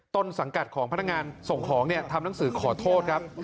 ต้นสังกัดของพนักงานส่งของทำหนังสือขอโทษครับ